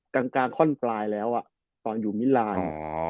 กลางข้อนปลายแล้วตอนอยู่มิลาน